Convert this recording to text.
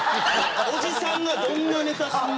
おじさんがどんなネタすんねん？